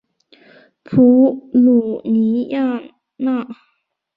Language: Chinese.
普吕尼亚讷。